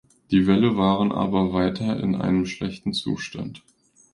Die Wälle waren aber weiter in einem schlechten Zustand.